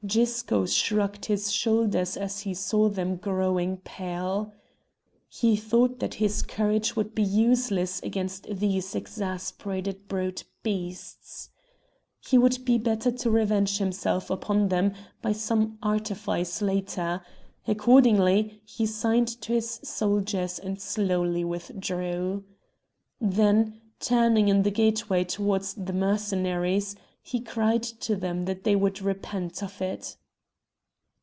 Gisco shrugged his shoulders as he saw them growing pale. He thought that his courage would be useless against these exasperated brute beasts. It would be better to revenge himself upon them by some artifice later; accordingly, he signed to his soldiers and slowly withdrew. Then, turning in the gateway towards the Mercenaries, he cried to them that they would repent of it.